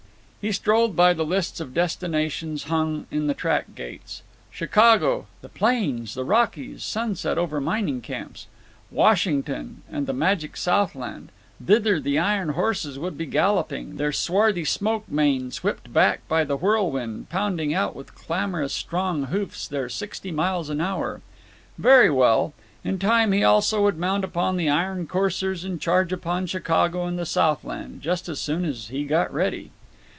He strolled by the lists of destinations hung on the track gates. Chicago (the plains! the Rockies! sunset over mining camps!), Washington, and the magic Southland—thither the iron horses would be galloping, their swarthy smoke manes whipped back by the whirlwind, pounding out with clamorous strong hoofs their sixty miles an hour. Very well. In time he also would mount upon the iron coursers and charge upon Chicago and the Southland; just as soon as he got ready.